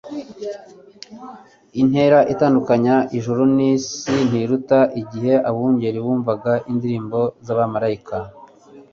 Intera itandukanya ijuru n'isi, ntiruta iy'igihe abungeri bumvaga indirimbo z'abamalayika.